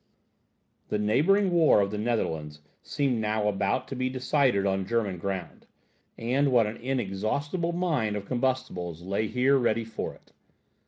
The neighbouring war of the Netherlands seemed now about to be decided on German ground; and what an inexhaustible mine of combustibles lay here ready for it!